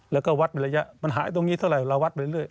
แล้วก็วัดในระยะมันหายตรงนี้เท่าไหร่เราวัดไปเรื่อย